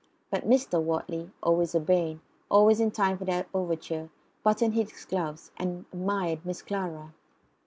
But Mr. Wortley, always urbane, always in time for the overture, buttoned his gloves, and admired Miss Clara.